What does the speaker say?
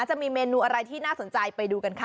จะมีเมนูอะไรที่น่าสนใจไปดูกันค่ะ